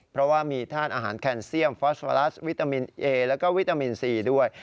เพราะว่ามีธาตุอาหารแคนเซียมฟอสวารัสวิตามินเอแล้วก็วิตามินซีด้วย